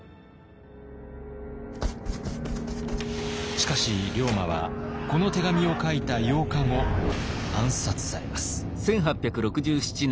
しかし龍馬はこの手紙を書いた８日後暗殺されます。